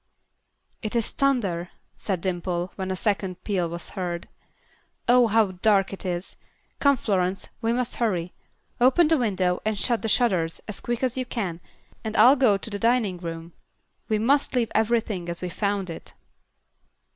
"It is thunder," said Dimple, when a second peal was heard. "Oh, how dark it is. Come, Florence; we must hurry. Open the window and shut the shutters as quick as you can and I'll go to the dining room. We must leave everything as we found it."